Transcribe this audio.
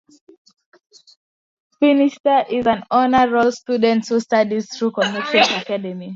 Finster is an honor roll student who studies through Connections Academy.